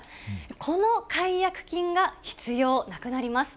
この解約金が必要なくなります。